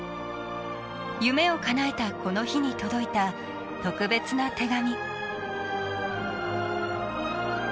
夢をかなえたこの日に届いた特別な手紙。